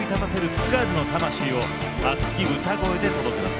津軽の魂を熱き歌声で届けます